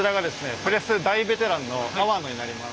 プレス大ベテランの粟野になります。